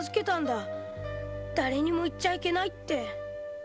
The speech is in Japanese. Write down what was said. だれにも言っちゃいけないって。